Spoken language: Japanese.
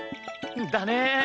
だね。